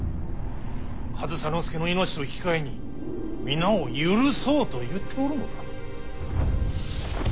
上総介の命と引き換えに皆を許そうと言っておるのだ。